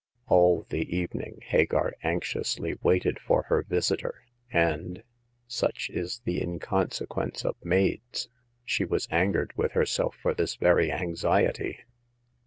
All the evening Hagar anxiously waited for her visitor, and— such is the inconsequence of maids — she was angered with herself for this very anxiety.